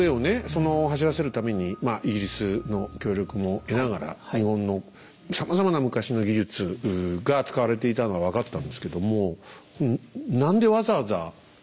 その走らせるためにイギリスの協力も得ながら日本のさまざまな昔の技術が使われていたのは分かったんですけどもそこですよね。